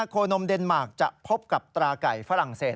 โคนมเดนมาร์คจะพบกับตราไก่ฝรั่งเศส